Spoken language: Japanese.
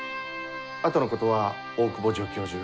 あとのことは大窪助教授